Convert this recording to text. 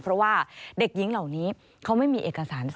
เพราะว่าเด็กหญิงเหล่านี้เขาไม่มีเอกสาร